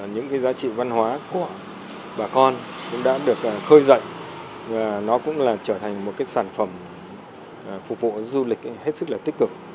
những cái giá trị văn hóa của bà con cũng đã được khơi dậy và nó cũng là trở thành một cái sản phẩm phục vụ du lịch hết sức là tích cực